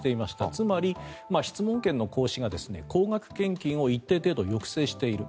つまり、質問権の行使が高額献金を一定程度、抑制している。